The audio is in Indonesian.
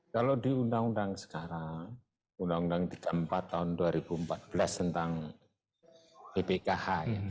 kalau di undang undang sekarang undang undang tiga puluh empat tahun dua ribu empat belas tentang ppkh